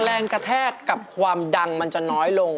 แรงกระแทกกับความดังมันจะน้อยลง